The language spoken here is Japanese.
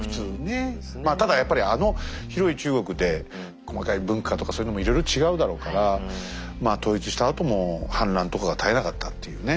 まあただやっぱりあの広い中国で細かい文化とかそういうのもいろいろ違うだろうから統一したあとも反乱とかが絶えなかったっていうね。